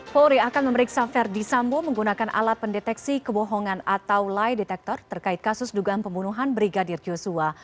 polri akan memeriksa verdi sambo menggunakan alat pendeteksi kebohongan atau lie detector terkait kasus dugaan pembunuhan brigadir joshua